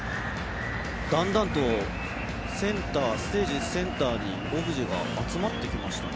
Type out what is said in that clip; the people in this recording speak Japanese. だんだんとステージセンターにオブジェが集まってきましたね。